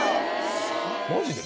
マジで？